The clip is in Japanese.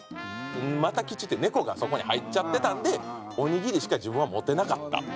又吉っていう猫がそこに入っちゃってたんでおにぎりしか自分は持てなかった。